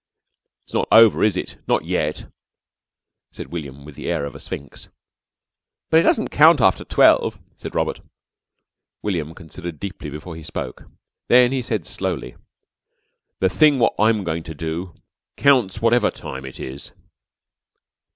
"It's not over, is it? not yet," said William with the air of a sphinx. "But it doesn't count after twelve," said Robert. William considered deeply before he spoke, then he said slowly: "The thing what I'm going to do counts whatever time it is."